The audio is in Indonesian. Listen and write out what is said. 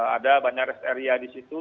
ada banyak rest area di situ